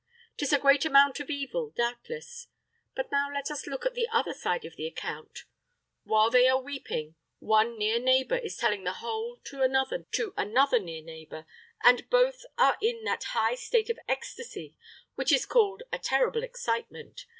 'Tis a great amount of evil, doubtless. But now let us look at the other side of the account. While they are weeping, one near neighbor is telling the whole to another near neighbor, and both are in that high state of ecstasy which is called a terrible excitement.